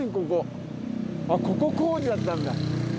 ここあっここ工事だったんだ。